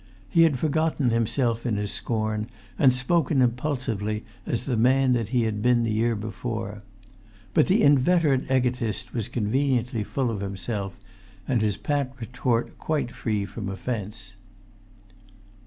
He had forgotten himself in his scorn, and spoken impulsively as the man that he had been the year before. But the inveterate egotist was conveniently full of himself, and his pat retort quite free from offence.